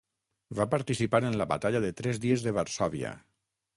Va participar en la batalla de tres dies de Varsòvia.